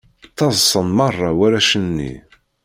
Ttaḍsan meṛṛa warrac-nni.